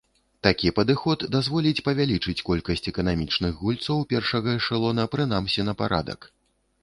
Такі падыход дазволіць павялічыць колькасць эканамічных гульцоў першага эшалона прынамсі на парадак.